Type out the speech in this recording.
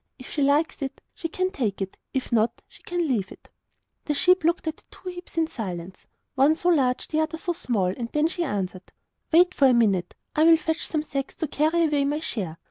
If she likes it she can take it, if not, she can leave it.' The sheep looked at the two heaps in silence one so large, the other so small; and then she answered: 'Wait for a minute, while I fetch some sacks to carry away my share.